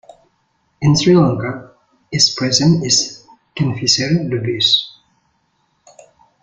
In Sri Lanka, its presence is considered dubious.